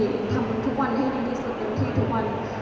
ทำบุญทุกวันให้ดีที่สุดเต็มที่ทุกวัน